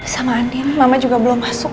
sama andin mama juga belum masuk